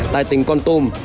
tại tỉnh con tum